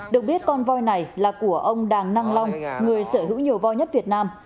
được biết con voi này là của ông đàng năng long người sở hữu nhiều voi nhất việt nam